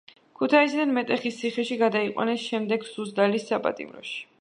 ქუთაისიდან მეტეხის ციხეში გადაიყვანეს, შემდეგ სუზდალის საპატიმროში.